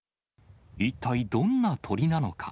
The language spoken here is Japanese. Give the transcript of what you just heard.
一体どんな鳥なのか。